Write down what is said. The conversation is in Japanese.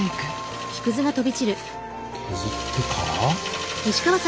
え⁉削ってから？